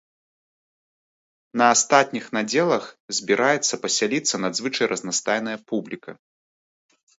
На астатніх надзелах збіраецца пасяліцца надзвычай разнастайная публіка.